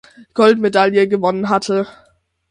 Goldmedaille gewonnen hatte.